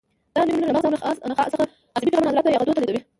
دا نیورونونه له مغز او نخاع څخه عصبي پیغامونه عضلاتو یا غدو ته لېږدوي.